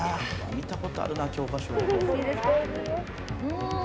見た事あるな教科書。